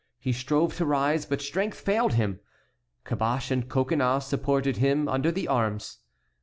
He strove to rise, but strength failed him. Caboche and Coconnas supported him under the arms.